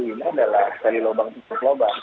ini adalah dari lubang lubang